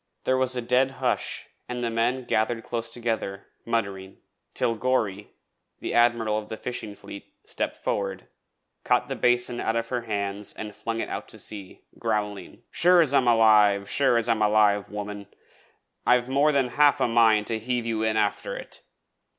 There was a dead hush, and the men gathered close together, muttering, till Gorry, the Admiral of the Fishing Fleet, stepped forward, caught the basin out of her hands and flung it out to sea, growling: 'Sure as I'm alive, sure as I'm alive, woman, I've more than half a mind to heave you in after it.